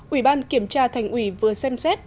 ủy ban kiểm tra thành ủy vừa xem xét